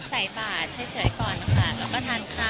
ใส่บาทเฉยก่อนค่ะแล้วก็ทานข้าว